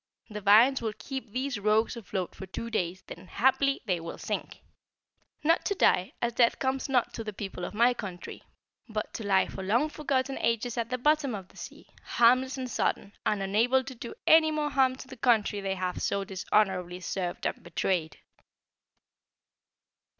The vines will keep these rogues afloat for two days, then haply they will sink not to die, as death comes not to the people of my country, but to lie for long forgotten ages at the bottom of the sea, harmless and sodden, and unable to do any more harm to the country they have so dishonorably served and betrayed!"